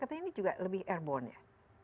tapi ini juga lebih airborne ya